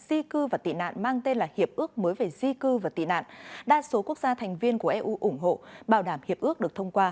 di cư và tị nạn mang tên là hiệp ước mới về di cư và tị nạn đa số quốc gia thành viên của eu ủng hộ bảo đảm hiệp ước được thông qua